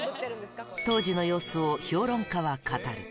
当時の様子を評論家は語る。